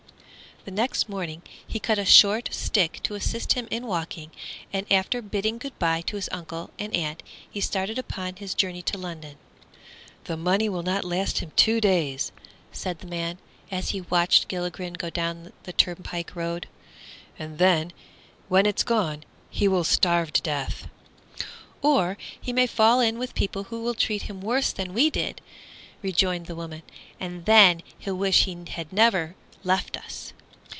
The next morning he cut a short stick to assist him in walking, and after bidding good bye to his uncle and aunt he started upon his journey to London. "The money will not last him two days," said the man, as he watched Gilligren go down the turnpike road, "and when it is gone he will starve to death." "Or he may fall in with people who will treat him worse than we did," rejoined the woman, "and then he'll wish he had never left us."